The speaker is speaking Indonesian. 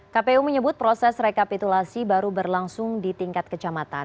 kpu menyebut proses rekapitulasi baru berlangsung di tingkat kecamatan